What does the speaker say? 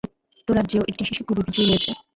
যুক্তরাজ্যেও একটি "শিশু কবি বিজয়ী" রয়েছে।